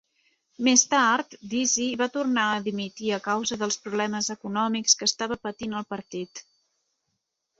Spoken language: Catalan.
Més tard, Deasy va tornar a dimitir a causa dels problemes econòmics que estava patint el partit.